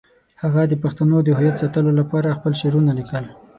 هغه د پښتنو د هویت ساتلو لپاره خپل شعرونه لیکل.